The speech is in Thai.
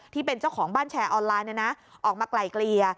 ที่เป็นเจ้าของบ้านแชร์ออนไลน์ออกมาไกลเกลี่ย